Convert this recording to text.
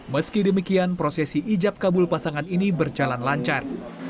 meski demikian prosesi ijab kabul pasangan ini berjalan lancar